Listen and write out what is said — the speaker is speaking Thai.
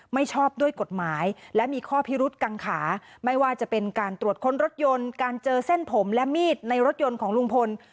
ไม่ชอบด้วยกฎหมายและมีข้อพิรุษกังขาไม่ว่าจะเป็นการตรวจค้นรถยนต์การเจอเส้นผมและมีดในรถยนต์ของลุงพล